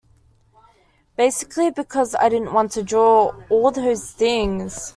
Basically because I didn't want to draw all those things!